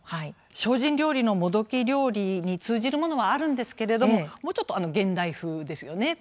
精進料理の「もどき料理」に通じるところもあるんですがもうちょっと現代風ですよね。